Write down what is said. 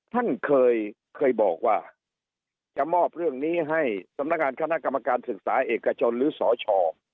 ท่านเคยบอกว่าจะมอบเรื่องนี้ให้สำนักงานคณะกรรมการศึกษาเอกชนหรือสช